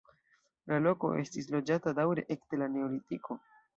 La loko estis loĝata daŭre ekde la neolitiko.